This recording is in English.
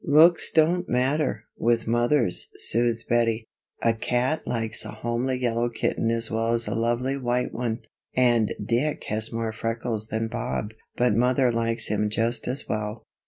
"Looks don't matter, with mothers," soothed Bettie. "A cat likes a homely yellow kitten as well as a lovely white one. And Dick has more freckles than Bob, but Mother likes him just as well."